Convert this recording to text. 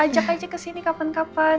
ajak aja ke sini kapan kapan